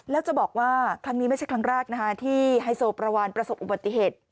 แล้วจะบอกว่าครั้งนี้ไม่ใช่ครั้งแรกนะคะที่ไฮโซประวานประสบอุบัติเหตุ